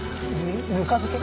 ぬか漬け？